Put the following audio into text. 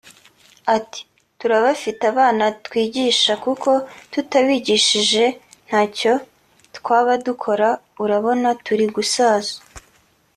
Ati “ Turabafite abana twigisha kuko tutabigishije ntacyo twaba dukora urabona turi gusaza